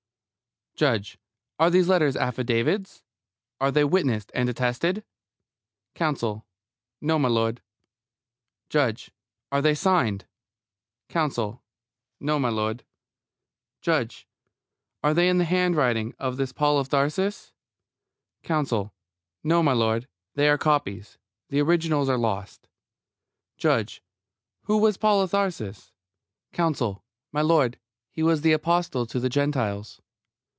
JUDGE: Are these letters affidavits? Are they witnessed and attested? COUNSEL: No, m'lud. JUDGE: Are they signed? COUNSEL: No, m'lud. JUDGE: Are they in the handwriting of this Paul of Tarsus? COUNSEL: No, m'lud. They are copies; the originals are lost. JUDGE: Who was Paul of Tarsus? COUNSEL: M'lud, he was the apostle to the Gentiles.